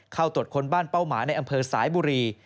เข้าตรวจค้นบ้านเป้าหมายในอำเภอสายบุรี